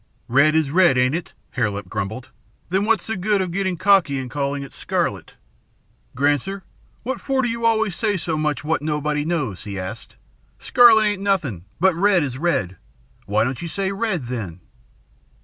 "Red is red, ain't it?" Hare Lip grumbled. "Then what's the good of gettin' cocky and calling it scarlet?" "Granser, what for do you always say so much what nobody knows?" he asked. "Scarlet ain't anything, but red is red. Why don't you say red, then?"